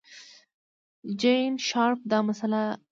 جین شارپ دا مسئله علمي کړه.